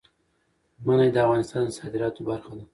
منی د افغانستان د صادراتو برخه ده.